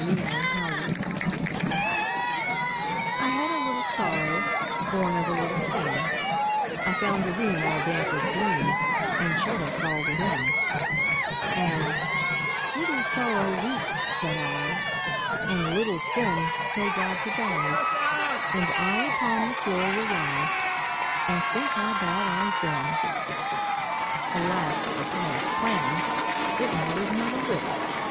63 The Penitent I had a little Sorrow, Born of a little Sin, I found a room all damp with gloom And shut us all within; And, "Little Sorrow, weep," said I, "And, Little Sin, pray God to die, And I upon the floor will lie And think how bad I've been!" Alas for pious planning— It mattered not a whit!